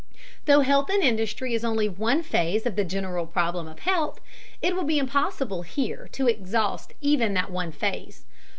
Though health in industry is only one phase of the general problem of health, it will be impossible here to exhaust even that one phase.